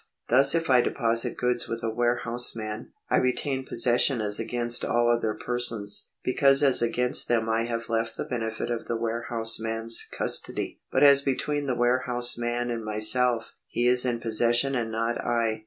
Thus if I deposit goods with a warehouseman, I retain possession as against all other per sons ; because as against them I have the benefit of the warehouseman's custody. But as between the warehouse man and myself, he is in possession and not I.